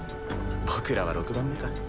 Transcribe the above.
僕らは６番目か。